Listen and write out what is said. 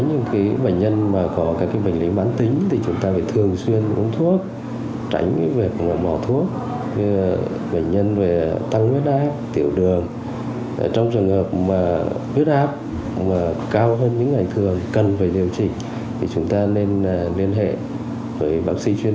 nhiễm lạnh đột nhiễm